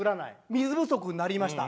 水不足になりました。